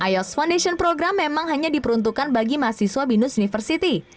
ios foundation program memang hanya diperuntukkan bagi mahasiswa binus university